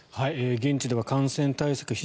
現地では感染対策